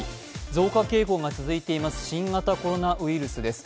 増加傾向が続いています新型コロナウイルスです。